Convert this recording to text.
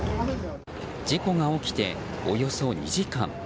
事故が起きておよそ２時間。